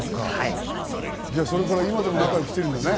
それから今でも仲良くしてるんだね。